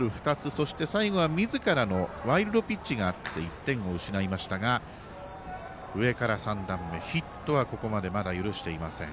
そして、最後は、みずからのワイルドピッチがあって１点を失いましたが上から３段目ヒットはここまでまだ許していません。